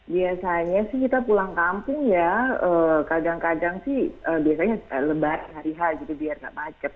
biasanya sih kita pulang kampung ya kadang kadang sih biasanya lebaran hari h gitu biar nggak macet